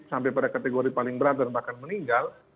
sampai pada kategori paling berat dan bahkan meninggal